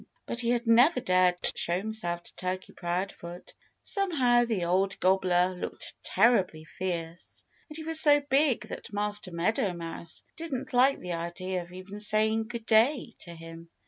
But he had never dared show himself to Turkey Proudfoot. Somehow the old gobbler looked terribly fierce. And he was so big that Master Meadow Mouse didn't like the idea of even saying "Good day!" to him.